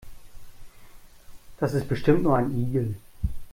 Das ist bestimmt nur ein Igel.